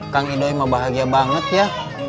kang ido mah bahagia banget ya